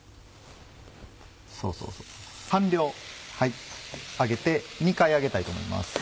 そうそう半量揚げて２回揚げたいと思います。